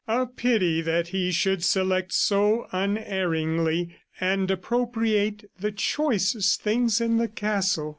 A pity that he should select so unerringly and appropriate the choicest things in the castle!